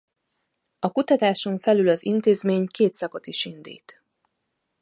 A kutatáson felül az intézmény két szakot is indít.